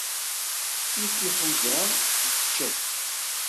Mi k-iḥuza, ičča-k.